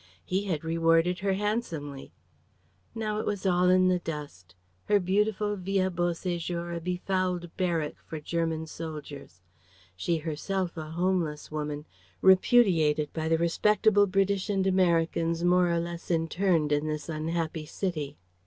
He had rewarded her handsomely. Now it was all in the dust: her beautiful Villa Beau séjour a befouled barrack for German soldiers. She herself a homeless woman, repudiated by the respectable British and Americans more or less interned in this unhappy city.